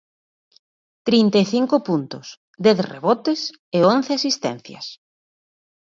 Trinta e cinco puntos, dez rebotes e once asistencias.